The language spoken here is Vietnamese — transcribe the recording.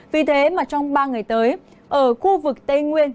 vì thế mà trong ba ngày tới ở khu vực tây nguyên